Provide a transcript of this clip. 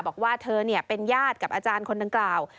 บอกว่าเธอเป็นญาติกับอาจารย์คนดังกล่าว